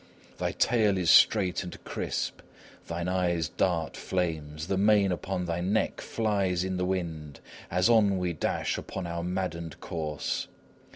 Thy tail is straight and crisp, thine eyes dart flames, the mane upon thy neck flies in the wind, as on we dash upon our maddened course.